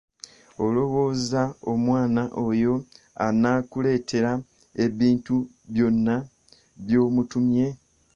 Olowooza omwana oyo anaakuleetera ebintu byonna by'omutumye?